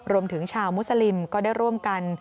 รวมถึงชาวมุสลิมก็ได้ร่วมกัน